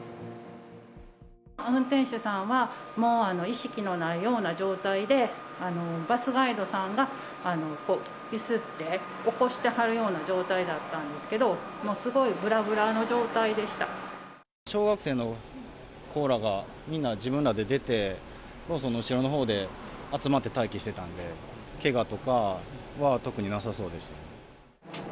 運転手さんは、もう意識のないような状態で、バスガイドさんがこう揺すって、起こしてはるような状態だったんですけれども、小学生の子らが、みんな自分らで出て、ローソンの後ろのほうで集まって待機していたんで、けがとかは、特になさそうでした。